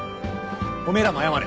おめぇらも謝れ。